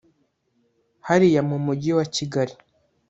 hariya mu mugi wa Kigali